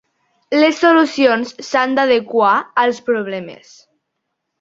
Les solucions s'han d'adequar als problemes.